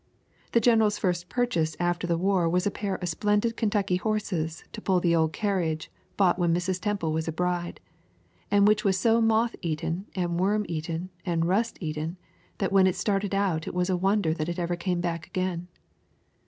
The general's first purchase after the war was a pair of splendid Kentucky horses to pull the old carriage bought when Mrs. Temple was a bride, and which was so moth eaten and worm eaten and rust eaten that when it started out it was a wonder that it ever came back again.